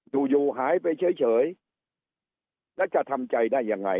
อยู่อยู่หายไปเฉยแล้วจะทำใจได้ยังไง